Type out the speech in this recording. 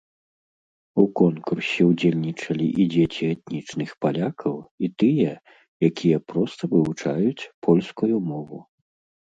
У конкурсе ўдзельнічалі і дзеці этнічных палякаў, і тыя, якія проста вывучаюць польскую мову.